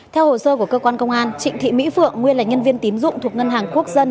theo hồ sơ của cơ quan công an trịnh thị mỹ phượng nguyên là nhân viên tín dụng thuộc ngân hàng quốc dân